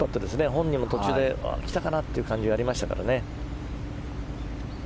本人も途中で来たかなという感じがありましたからね。